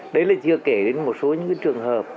đấy là chưa kể đến một số những trường hợp